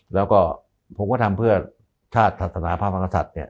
แล้วก็ผมก็ทำเพื่อชาติธัตรสถาภัณฑ์ภาคสัตย์